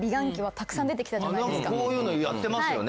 なんかこういうのやってますよね。